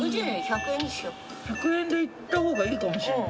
１００円で行ったほうがいいかもしれない。